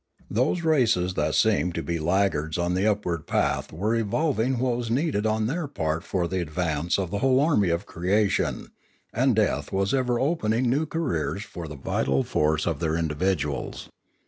Those^ races that seemed to be laggards on the upward path Polity 51 * were evolving what was needed on their part for the advance of the whole army of creation, and death was ever opening new careers for the vital force of their in dividuals.